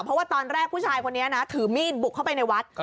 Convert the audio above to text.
เพราะว่าตอนแรกผู้ชายคนนี้นะถือมีดบุกเข้าไปในวัด